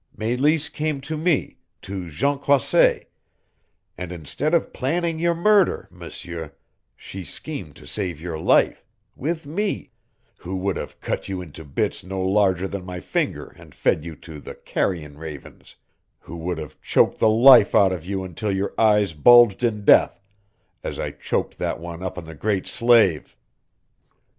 Meleese came to me to Jean Croisset and instead of planning your murder, M'seur, she schemed to save your life with me who would have cut you into bits no larger than my finger and fed you to the carrion ravens, who would have choked the life out of you until your eyes bulged in death, as I choked that one up on the Great Slave!